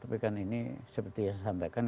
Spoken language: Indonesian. tapi kan ini seperti yang saya sampaikan